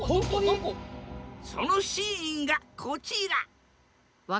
そのシーンがこちら！